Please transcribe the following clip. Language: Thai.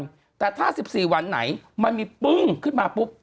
จุดถูกสอง๑๔วันไหนมันมีปึ้งขึ้นมาปุ๊บ